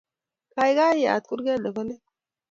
Kaikai yat kurget nebo let